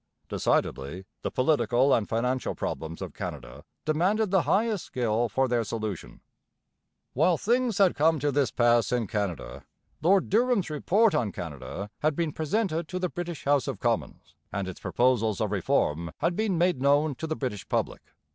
Decidedly the political and financial problems of Canada demanded the highest skill for their solution. While things had come to this pass in Canada, Lord Durham's Report on Canada had been presented to the British House of Commons and its proposals of reform had been made known to the British public.